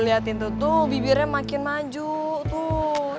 liatin tuh bibirnya makin maju tuh